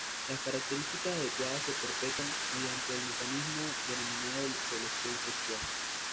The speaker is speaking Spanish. Las características adecuadas se perpetúan mediante el mecanismo denominado selección sexual.